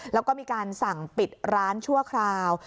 แล้วก็มีการสั่งปิดร้านชั่วคราว